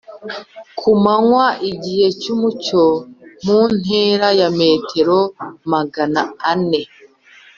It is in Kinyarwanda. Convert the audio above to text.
ku manywa igihe cy'umucyo, mu ntera ya metero Magana ane.